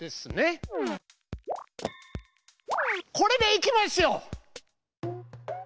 これでいきますよ。